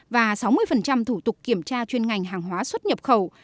và sáu mươi thủ tục kiểm tra chuyên ngành hàng hóa xuất nhập khẩu